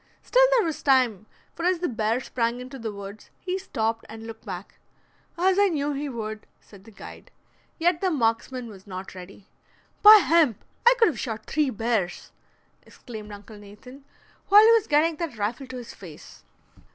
Still there was time, for as the bear sprang into the woods he stopped and looked back, "as I knew he would," said the guide; yet the marksman was not ready. "By hemp! I could have shot three bears," exclaimed Uncle Nathan, "while he was getting that rifle to his face!"